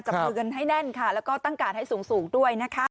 มือกันให้แน่นค่ะแล้วก็ตั้งการให้สูงด้วยนะคะ